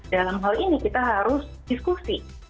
dalam hal ini kita harus diskusi